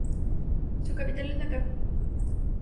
Su capital es la ciudad de Hamilton.